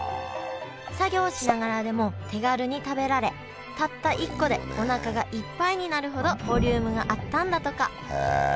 作業しながらでも手軽に食べられたった一個でおなかがいっぱいになるほどボリュームがあったんだとかへえ。